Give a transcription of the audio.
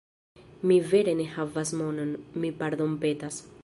Mi vere ne havas monon, mi pardonpetas